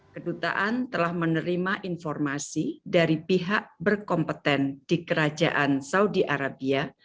kedutaan telah menerima informasi dari pihak berkompeten di kerajaan saudi arabia